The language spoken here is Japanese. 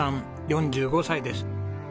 ４５歳です。